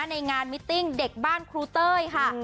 ในงานมิติ้งเด็กบ้านครูเต้ยค่ะ